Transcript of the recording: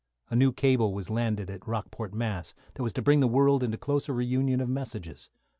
A new cable was landed at Rockport, Mass., that was to bring the world into closer reunion of messages.